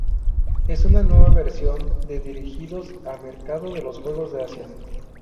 Es una nueva versión de dirigidos a mercado de los juegos de Asia.